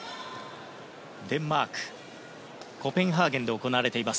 デンマーク・コペンハーゲンで行われています